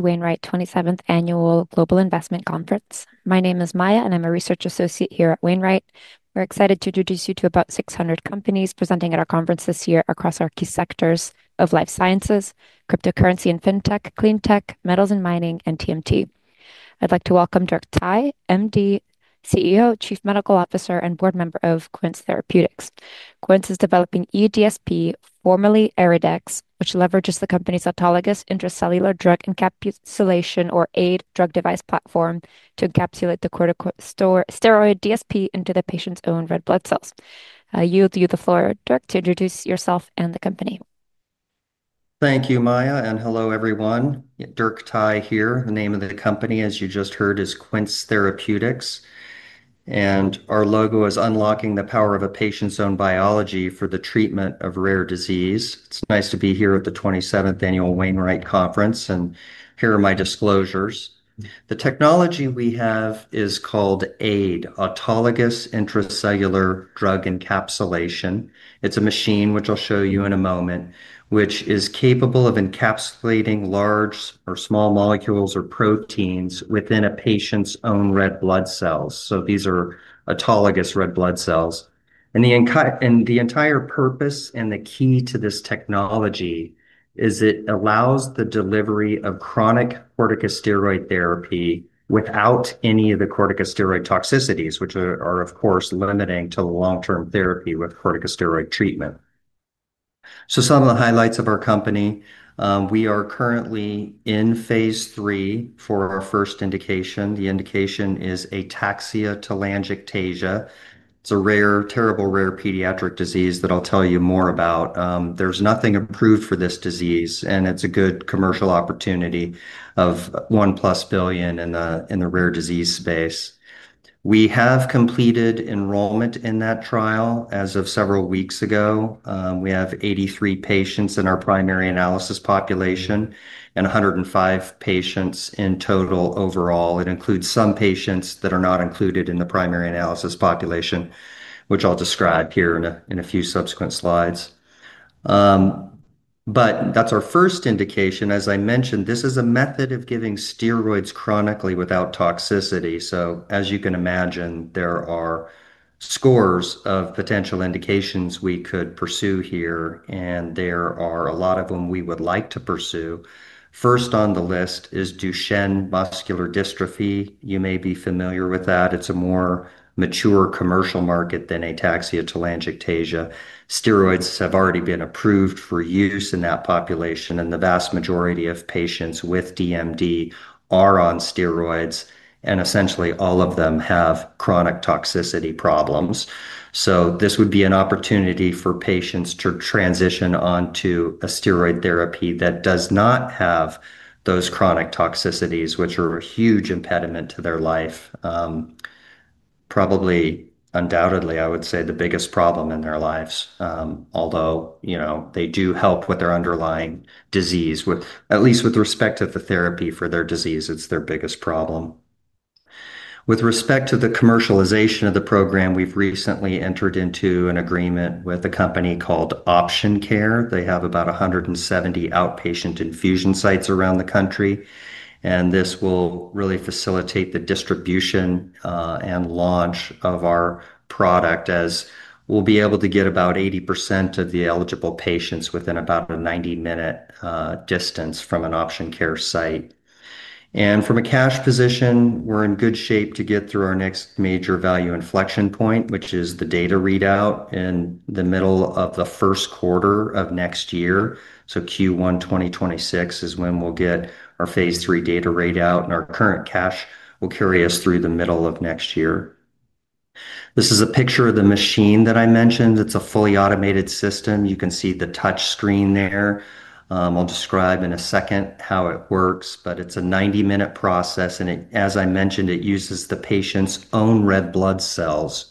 Wainwright 27th Annual Global Investment Conference. My name is Maya, and I'm a Research Associate here at Wainwright. We're excited to introduce you to about 600 companies presenting at our conference this year across our key sectors of life sciences, cryptocurrency and fintech, clean tech, metals and mining, and TMT. I'd like to welcome Dirk Thye, MD, CEO, Chief Medical Officer, and board member of Quince Therapeutics. Quince is developing eDSP, formerly ERIDEX, which leverages the company's Autologous Intracellular Drug Encapsulation or AIDE technology platform to encapsulate the corticosteroid dexamethasone sodium phosphate into the patient's own red blood cells. I'll yield to you the floor, Dirk, to introduce yourself and the company. Thank you, Maya, and hello everyone. Dirk Thye here. The name of the company, as you just heard, is Quince Therapeutics. Our logo is unlocking the power of a patient's own biology for the treatment of rare disease. It's nice to be here at the 27th Annual Wainwright Conference, and here are my disclosures. The technology we have is called AIDE, Autologous Intracellular Drug Encapsulation. It's a machine, which I'll show you in a moment, which is capable of encapsulating large or small molecules or proteins within a patient's own red blood cells. These are autologous red blood cells. The entire purpose and the key to this technology is it allows the delivery of chronic corticosteroid therapy without any of the corticosteroid toxicities, which are, of course, limiting to long-term therapy with corticosteroid treatment. Some of the highlights of our company: we are currently in phase III for our first indication. The indication is ataxia telangiectasia. It's a rare, terrible rare pediatric disease that I'll tell you more about. There's nothing approved for this disease, and it's a good commercial opportunity of $1+ billion in the rare disease space. We have completed enrollment in that trial as of several weeks ago. We have 83 patients in our primary analysis population and 105 patients in total overall. It includes some patients that are not included in the primary analysis population, which I'll describe here in a few subsequent slides. That's our first indication. As I mentioned, this is a method of giving steroids chronically without toxicity. As you can imagine, there are scores of potential indications we could pursue here, and there are a lot of them we would like to pursue. First on the list is Duchenne muscular dystrophy. You may be familiar with that. It's a more mature commercial market than ataxia telangiectasia. Steroids have already been approved for use in that population, and the vast majority of patients with DMD are on steroids, and essentially all of them have chronic toxicity problems. This would be an opportunity for patients to transition onto a steroid therapy that does not have those chronic toxicities, which are a huge impediment to their life. Probably, undoubtedly, I would say the biggest problem in their lives, although they do help with their underlying disease, at least with respect to the therapy for their disease. It's their biggest problem. With respect to the commercialization of the program, we've recently entered into an agreement with a company called Option Care. They have about 170 outpatient infusion sites around the country, and this will really facilitate the distribution and launch of our product as we'll be able to get about 80% of the eligible patients within about a 90-minute distance from an Option Care site. From a cash position, we're in good shape to get through our next major value inflection point, which is the data readout in the middle of the first quarter of next year. Q1 2026 is when we'll get our phase III data readout, and our current cash will carry us through the middle of next year. This is a picture of the machine that I mentioned. It's a fully automated system. You can see the touch screen there. I'll describe in a second how it works, but it's a 90-minute process, and as I mentioned, it uses the patient's own red blood cells.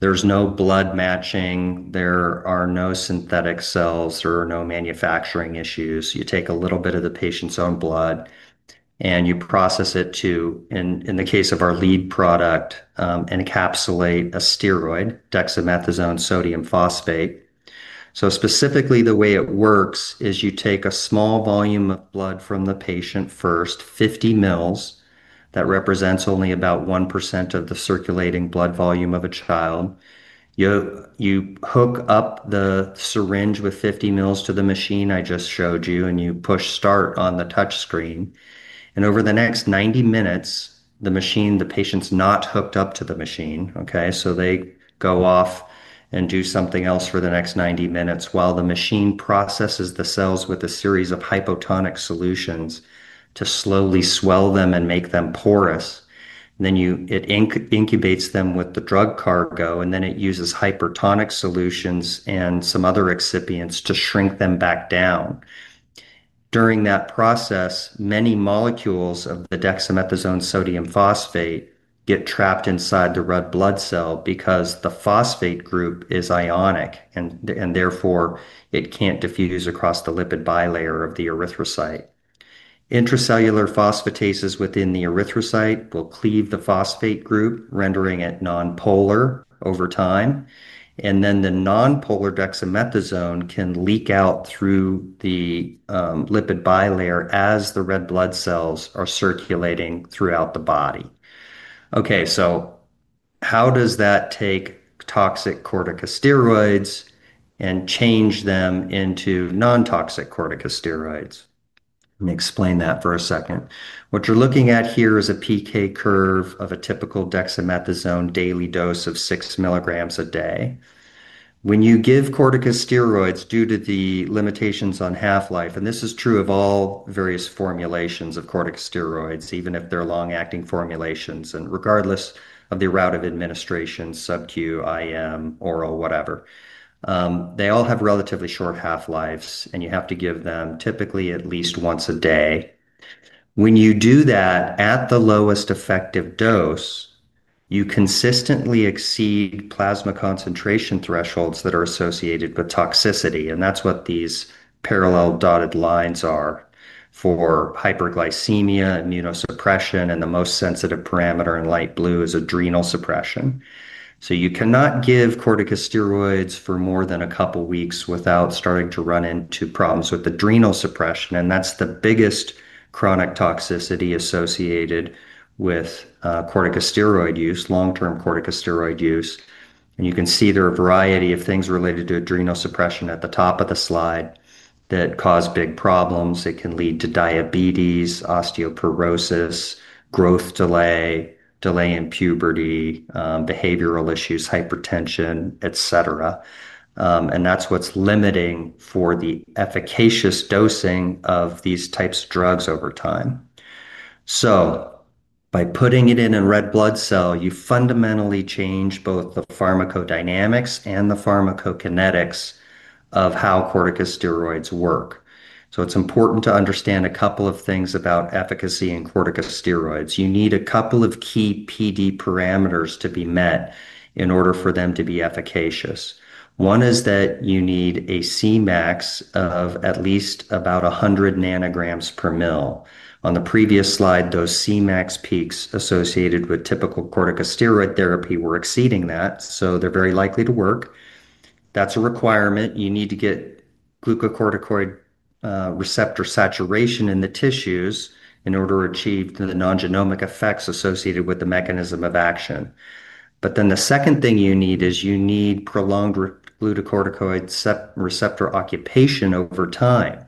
There's no blood matching. There are no synthetic cells. There are no manufacturing issues. You take a little bit of the patient's own blood, and you process it to, in the case of our lead product, encapsulate a steroid, dexamethasone sodium phosphate. Specifically, the way it works is you take a small volume of blood from the patient first, 50 ml. That represents only about 1% of the circulating blood volume of a child. You hook up the syringe with 50 ml to the machine I just showed you, and you push start on the touch screen. Over the next 90 minutes, the machine, the patient's not hooked up to the machine, okay? They go off and do something else for the next 90 minutes while the machine processes the cells with a series of hypotonic solutions to slowly swell them and make them porous. It incubates them with the drug cargo, and then it uses hypertonic solutions and some other excipients to shrink them back down. During that process, many molecules of the dexamethasone sodium phosphate get trapped inside the red blood cell because the phosphate group is ionic, and therefore it can't diffuse across the lipid bilayer of the erythrocyte. Intracellular phosphatases within the erythrocyte will cleave the phosphate group, rendering it nonpolar over time. The nonpolar dexamethasone can leak out through the lipid bilayer as the red blood cells are circulating throughout the body. How does that take toxic corticosteroids and change them into nontoxic corticosteroids? Let me explain that for a second. What you're looking at here is a PK curve of a typical dexamethasone daily dose of 6 mg a day. When you give corticosteroids, due to the limitations on half-life, and this is true of all various formulations of corticosteroids, even if they're long-acting formulations and regardless of the route of administration, subcu, IM, oral, whatever, they all have relatively short half-lives, and you have to give them typically at least once a day. When you do that at the lowest effective dose, you consistently exceed plasma concentration thresholds that are associated with toxicity, and that's what these parallel dotted lines are for: hyperglycemia, immunosuppression, and the most sensitive parameter in light blue is adrenal suppression. You cannot give corticosteroids for more than a couple of weeks without starting to run into problems with adrenal suppression, and that's the biggest chronic toxicity associated with corticosteroid use, long-term corticosteroid use. You can see there are a variety of things related to adrenal suppression at the top of the slide that cause big problems. It can lead to diabetes, osteoporosis, growth delay, delay in puberty, behavioral issues, hypertension, etc. That's what's limiting for the efficacious dosing of these types of drugs over time. By putting it in a red blood cell, you fundamentally change both the pharmacodynamics and the pharmacokinetics of how corticosteroids work. It's important to understand a couple of things about efficacy in corticosteroids. You need a couple of key PD parameters to be met in order for them to be efficacious. One is that you need a Cmax of at least about 100 ng/ml. On the previous slide, those Cmax peaks associated with typical corticosteroid therapy were exceeding that, so they're very likely to work. That's a requirement. You need to get glucocorticoid receptor saturation in the tissues in order to achieve the non-genomic effects associated with the mechanism of action. The second thing you need is you need prolonged glucocorticoid receptor occupation over time.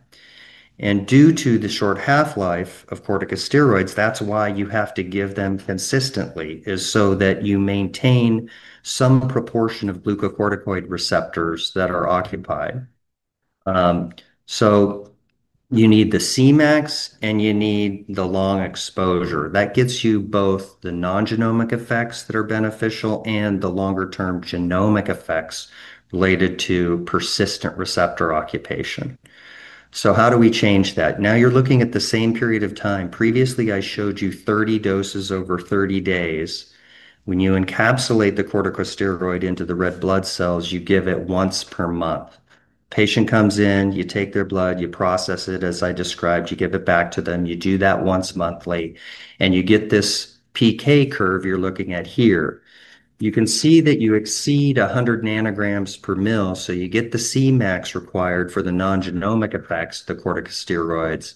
Due to the short half-life of corticosteroids, that's why you have to give them consistently, so that you maintain some proportion of glucocorticoid receptors that are occupied. You need the Cmax and you need the long exposure. That gives you both the non-genomic effects that are beneficial and the longer-term genomic effects related to persistent receptor occupation. How do we change that? Now you're looking at the same period of time. Previously, I showed you 30 doses over 30 days. When you encapsulate the corticosteroid into the red blood cells, you give it once per month. The patient comes in, you take their blood, you process it, as I described, you give it back to them. You do that once monthly, and you get this PK curve you're looking at here. You can see that you exceed 100 ng/ml. You get the Cmax required for the non-genomic effects of the corticosteroids,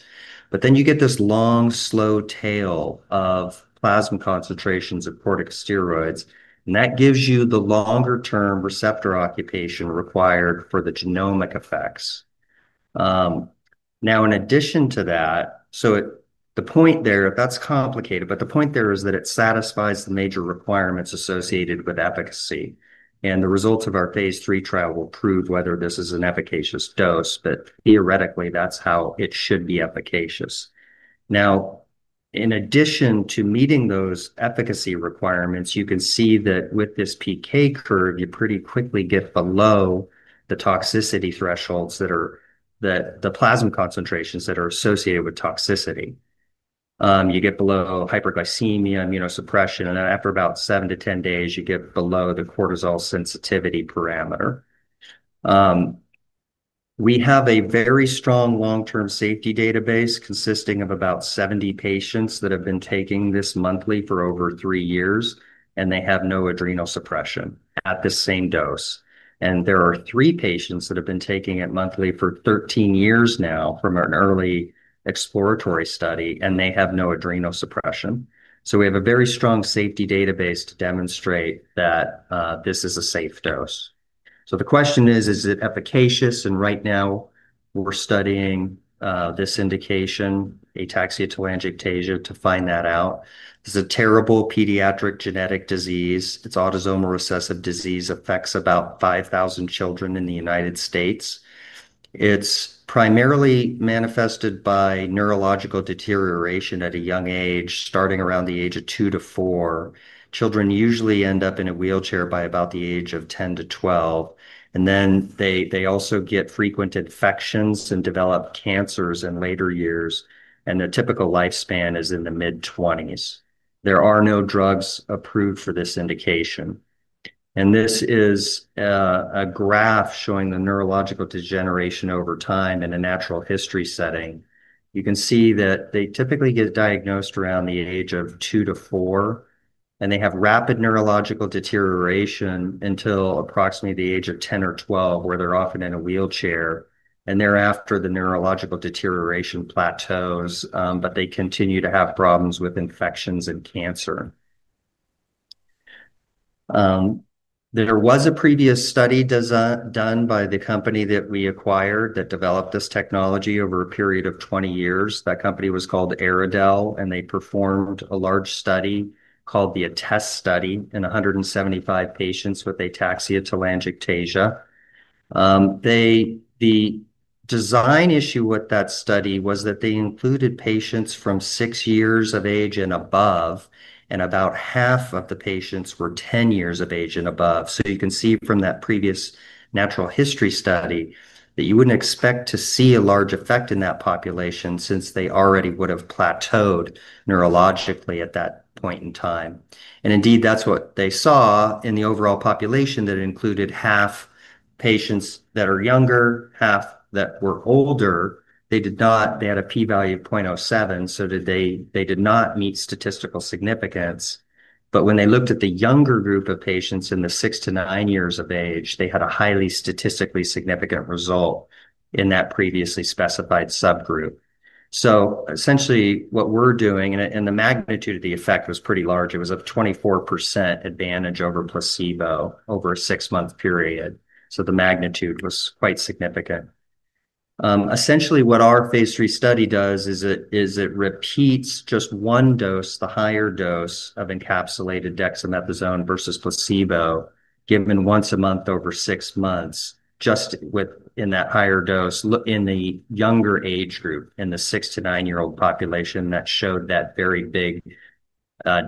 but then you get this long, slow tail of plasma concentrations of corticosteroids, and that gives you the longer-term receptor occupation required for the genomic effects. In addition to that, the point there is that it satisfies the major requirements associated with efficacy. The results of our phase III trial will prove whether this is an efficacious dose, but theoretically, that's how it should be efficacious. In addition to meeting those efficacy requirements, you can see that with this PK curve, you pretty quickly get below the toxicity thresholds that are the plasma concentrations that are associated with toxicity. You get below hyperglycemia, immunosuppression, and then after about seven to ten days, you get below the cortisol sensitivity parameter. We have a very strong long-term safety database consisting of about 70 patients that have been taking this monthly for over three years, and they have no adrenal suppression at the same dose. There are three patients that have been taking it monthly for 13 years now from an early exploratory study, and they have no adrenal suppression. We have a very strong safety database to demonstrate that this is a safe dose. The question is, is it efficacious? Right now, we're studying this indication, ataxia telangiectasia, to find that out. It's a terrible pediatric genetic disease. It's an autosomal recessive disease. It affects about 5,000 children in the United States. It's primarily manifested by neurological deterioration at a young age, starting around the age of 2 years-4 years. Children usually end up in a wheelchair by about the age of 10 years -1 2 years. They also get frequent infections and develop cancers in later years, and their typical lifespan is in the mid-20s. There are no drugs approved for this indication. This is a graph showing the neurological degeneration over time in a natural history setting. You can see that they typically get diagnosed around the age of 2 years-4 years, and they have rapid neurological deterioration until approximately the age of 10 years or 12 years, where they're often in a wheelchair. Thereafter, the neurological deterioration plateaus, but they continue to have problems with infections and cancer. There was a previous study done by the company that we acquired that developed this technology over a period of 20 years. That company was called Aeradel, and they performed a large study called the ATEST study in 175 patients with ataxia telangiectasia. The design issue with that study was that they included patients from six years of age and above, and about half of the patients were 10 years of age and above. You can see from that previous natural history study that you wouldn't expect to see a large effect in that population since they already would have plateaued neurologically at that point in time. Indeed, that's what they saw in the overall population that included half patients that are younger, half that were older. They did not, they had a P-value of 0.07, so they did not meet statistical significance. When they looked at the younger group of patients in the 6 years-9 years of age, they had a highly statistically significant result in that previously specified subgroup. Essentially, what we're doing, and the magnitude of the effect was pretty large, it was a 24% advantage over placebo over a six-month period. The magnitude was quite significant. Essentially, what our phase III study does is it repeats just one dose, the higher dose of encapsulated dexamethasone versus placebo, given once a month over six months, just within that higher dose in the younger age group, in the six to nine-year-old population, that showed that very big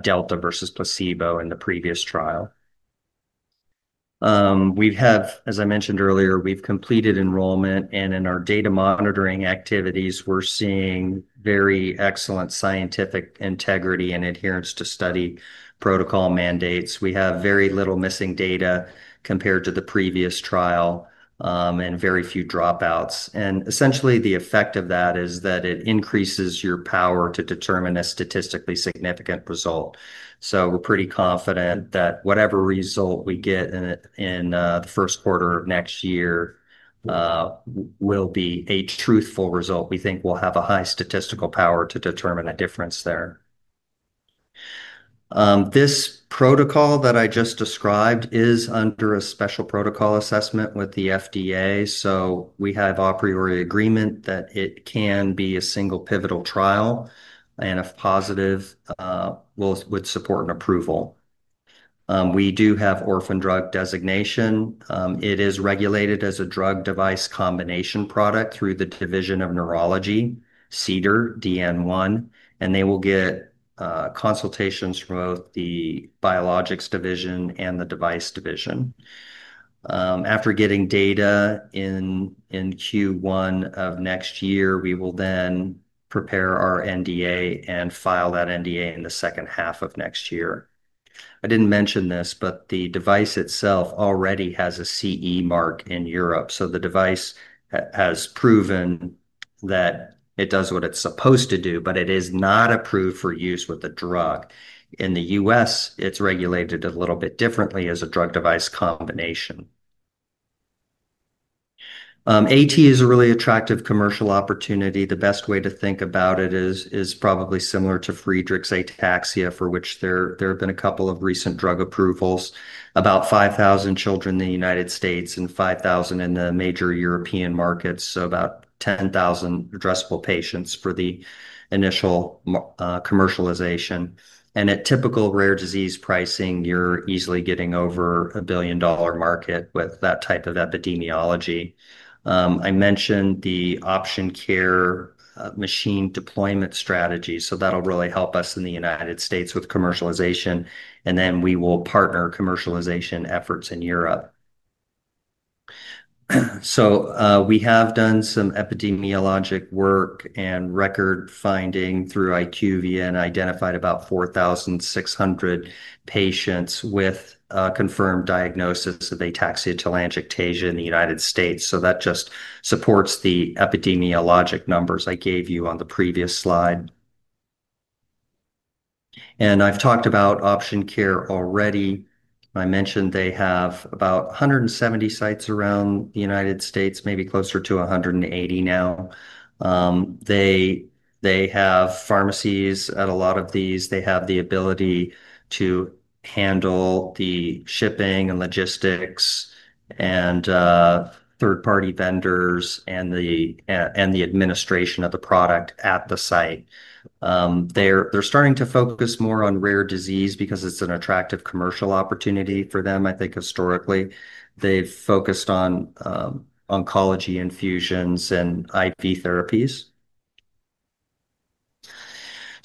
delta versus placebo in the previous trial. As I mentioned earlier, we've completed enrollment, and in our data monitoring activities, we're seeing very excellent scientific integrity and adherence to study protocol mandates. We have very little missing data compared to the previous trial and very few dropouts. Essentially, the effect of that is that it increases your power to determine a statistically significant result. We're pretty confident that whatever result we get in the first quarter of next year will be a truthful result. We think we'll have a high statistical power to determine a difference there. This protocol that I just described is under a special protocol assessment with the FDA. We have a priori agreement that it can be a single pivotal trial, and if positive, will support an approval. We do have orphan drug designation. It is regulated as a drug-device combination product through the Division of Neurology, CDER, DN1, and they will get consultations from both the biologics division and the device division. After getting data in Q1 of next year, we will then prepare our NDA and file that NDA in the second half of next year. I didn't mention this, but the device itself already has a CE mark in Europe. The device has proven that it does what it's supposed to do, but it is not approved for use with a drug. In the U.S., it's regulated a little bit differently as a drug-device combination. AT is a really attractive commercial opportunity. The best way to think about it is probably similar to Friedreich's ataxia, for which there have been a couple of recent drug approvals. About 5,000 children in the United States and 5,000 in the major European markets, so about 10,000 addressable patients for the initial commercialization. At typical rare disease pricing, you're easily getting over a $1 billion market with that type of epidemiology. I mentioned the Option Care machine deployment strategy, which will really help us in the United States with commercialization, and we will partner commercialization efforts in Europe. We have done some epidemiologic work and record finding through IQV and identified about 4,600 patients with a confirmed diagnosis of ataxia telangiectasia in the United States. That just supports the epidemiologic numbers I gave you on the previous slide. I've talked about Option Care already. I mentioned they have about 170 sites around the United States, maybe closer to 180 now. They have pharmacies at a lot of these. They have the ability to handle the shipping and logistics and third-party vendors and the administration of the product at the site. They're starting to focus more on rare disease because it's an attractive commercial opportunity for them. I think historically, they've focused on oncology infusions and IV therapies.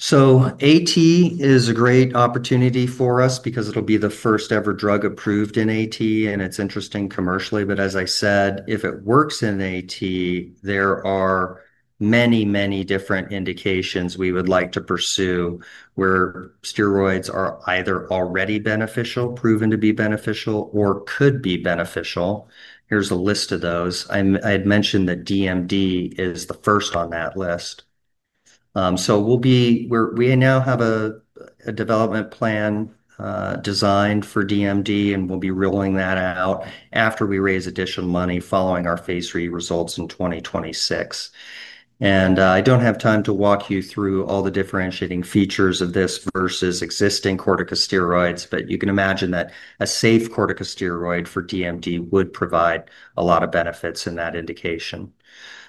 AT is a great opportunity for us because it'll be the first ever drug approved in AT, and it's interesting commercially. As I said, if it works in AT, there are many, many different indications we would like to pursue where steroids are either already beneficial, proven to be beneficial, or could be beneficial. Here's a list of those. I had mentioned that DMD is the first on that list. We now have a development plan designed for DMD, and we'll be rolling that out after we raise additional money following our phase III results in 2026. I don't have time to walk you through all the differentiating features of this versus existing corticosteroids, but you can imagine that a safe corticosteroid for DMD would provide a lot of benefits in that indication.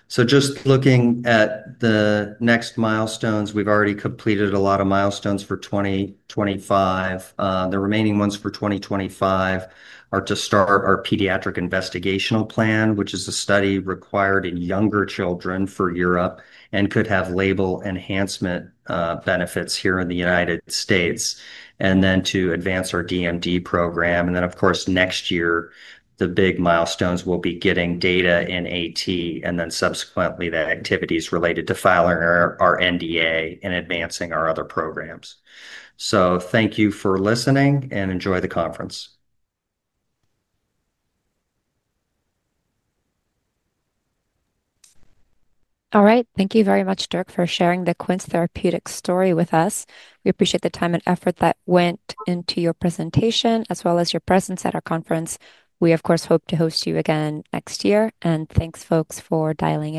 Just looking at the next milestones, we've already completed a lot of milestones for 2025. The remaining ones for 2025 are to start our pediatric investigational plan, which is a study required in younger children for Europe and could have label enhancement benefits here in the United States, and then to advance our DMD program. Next year, the big milestones will be getting data in AT, and subsequently the activities related to filing our NDA and advancing our other programs. Thank you for listening and enjoy the conference. All right. Thank you very much, Dirk, for sharing the Quince Therapeutics story with us. We appreciate the time and effort that went into your presentation, as well as your presence at our conference. We, of course, hope to host you again next year, and thanks, folks, for dialing.